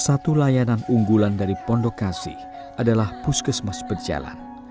satu layanan unggulan dari pondok kasih adalah puskesmas berjalan